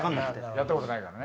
やったことないからね。